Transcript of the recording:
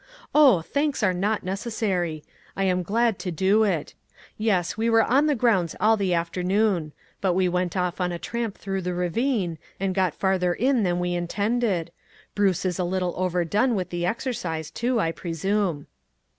Oh ! thanks are not necessary ; I am glad to do it. Yes, we were on the grounds all the after noon; but we went off on a tramp through the ravine, and got farther in than we in tended. Bruce is a little overdone with the exercise, too, I presume."